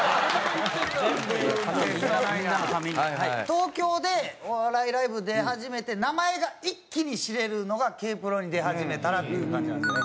東京でお笑いライブ出始めて名前が一気に知れるのがＫ−ＰＲＯに出始めたらっていう感じなんで。